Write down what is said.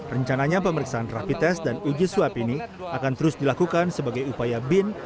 rencananya pemeriksaan rapi tes dan uji swab ini akan terus dilakukan sebagai upaya bin